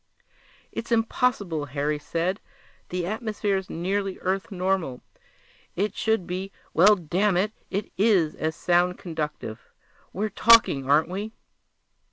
"It's impossible," Harry said. "The atmosphere's nearly Earth normal. It should be well, damn it, it is as sound conductive; we're talking, aren't we?"